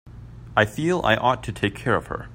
I feel I ought to take care of her.